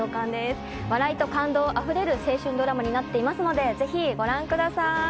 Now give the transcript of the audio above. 笑いと感動あふれる青春ドラマになっていますのでぜひ、ご覧ください。